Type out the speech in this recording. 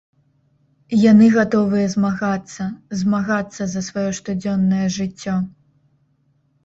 Яны гатовыя змагацца, змагацца за сваё штодзённае жыццё.